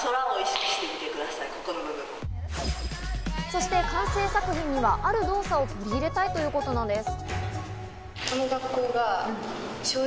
そして完成作品にはある動作を取り入れたいということなんです。